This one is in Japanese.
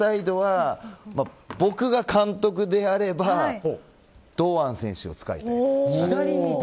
僕が監督であれば、左サイドは堂安選手を使いたい。